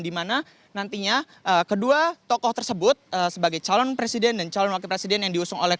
dimana nantinya kedua tokoh tersebut sebagai calon presiden dan calon wakil presiden yang diusung oleh